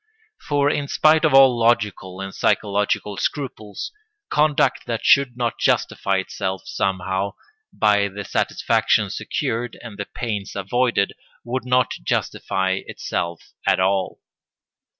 For in spite of all logical and psychological scruples, conduct that should not justify itself somehow by the satisfactions secured and the pains avoided would not justify itself at all.